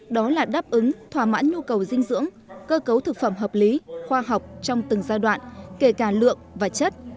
đó là đáp ứng thỏa mãn nhu cầu dinh dưỡng cơ cấu thực phẩm hợp lý khoa học trong từng giai đoạn kể cả lượng và chất